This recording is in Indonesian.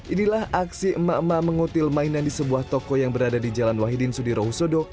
inilah aksi emak emak mengutil mainan di sebuah toko yang berada di jalan wahidin sudirohusodo